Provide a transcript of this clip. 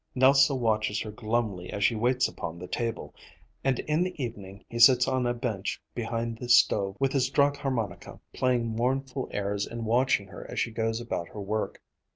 Nelse watches her glumly as she waits upon the table, and in the evening he sits on a bench behind the stove with his DRAGHARMONIKA, playing mournful airs and watching her as she goes about her work.